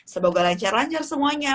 semoga lancar lancar semuanya